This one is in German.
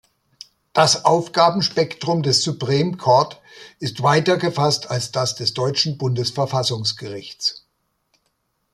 Das Aufgabenspektrum des Supreme Court ist weiter gefasst als das des deutschen Bundesverfassungsgerichts.